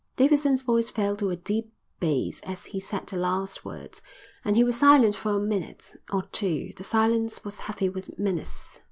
Davidson's voice fell to a deep bass as he said the last words, and he was silent for a minute or two. The silence was heavy with menace.